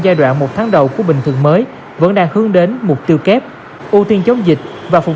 giai đoạn một tháng đầu của bình thường mới vẫn đang hướng đến mục tiêu kép ưu tiên chống dịch và phần